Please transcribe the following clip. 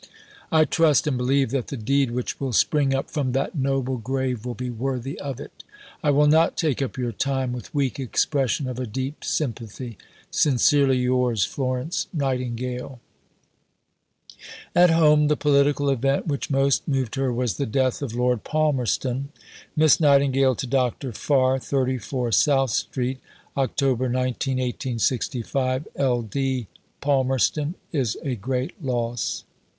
I trust and believe that the deed which will spring up from that noble grave will be worthy of it. I will not take up your time with weak expression of a deep sympathy. Sincerely yours, FLORENCE NIGHTINGALE. In a letter to Mr. Dennis R. Alward. At home, the political event which most moved her was the death of Lord Palmerston: (Miss Nightingale to Dr. Farr.) 34 SOUTH STREET, Oct. 19 Ld. Palmerston is a great loss.